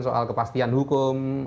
soal kepastian hukum